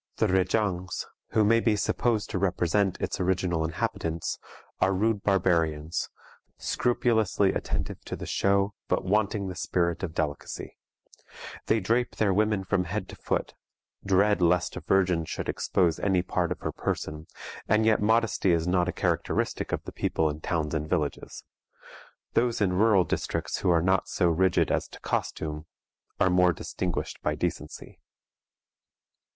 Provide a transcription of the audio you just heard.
The Rejangs, who may be supposed to represent its original inhabitants, are rude barbarians, scrupulously attentive to the show, but wanting the spirit of delicacy. They drape their women from head to foot, dread lest a virgin should expose any part of her person, and yet modesty is not a characteristic of the people in towns and villages. Those in rural districts who are not so rigid as to costume are more distinguished by decency.